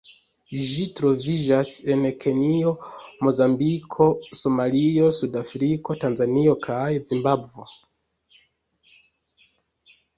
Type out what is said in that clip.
Ĝi troviĝas en Kenjo, Mozambiko, Somalio, Sudafriko, Tanzanio kaj Zimbabvo.